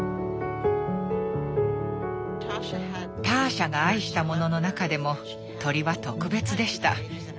ターシャが愛したものの中でも鳥は特別でした。